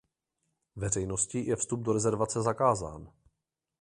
Veřejnosti je vstup do rezervace zakázán.